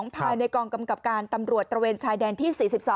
ภายในกองกำกับการตำรวจตระเวนชายแดนที่๔๒